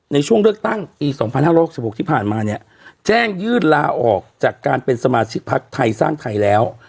ในช่วงเลือกตั้งอีกสองพันห้าร้อยหกสิบหกที่ผ่านมาเนี้ยแจ้งยืนลาออกจากการเป็นสมาชิกภักดิ์ไทยสร้างไทยแล้ว